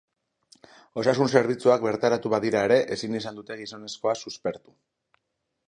Osasun-zerbitzuak bertaratu badira ere, ezin izan dute gizonezkoa suspertu.